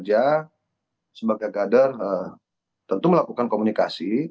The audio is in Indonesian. saya sebagai kader tentu melakukan komunikasi